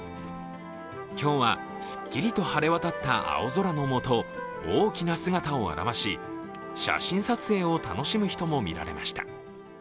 今日は、すっきりと晴れ渡った青空の下、大きな姿を現し写真撮影を楽しむ人もみられました。